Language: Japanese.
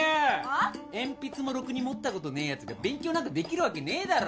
鉛筆もろくに持ったことねえやつが勉強なんかできるわけねえだろ。